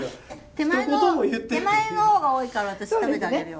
手前の方が多いから私食べてあげるよ。